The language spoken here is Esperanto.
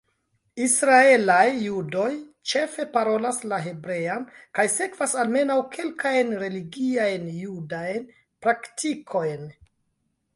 Israelaj judoj ĉefe parolas la hebrean kaj sekvas almenaŭ kelkajn religiajn judajn praktikojn.